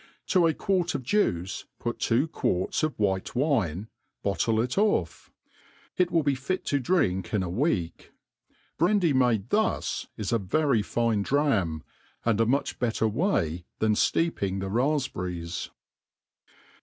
To a quart of juice put two quarts of wbite wine, bottle it off; it will be fit to drink in a week. Brandy mlde thus is a very fine dramj and H much better ^ay than fteeping the rafpberries.